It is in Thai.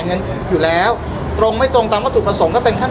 พี่แจงในประเด็นที่เกี่ยวข้องกับความผิดที่ถูกเกาหา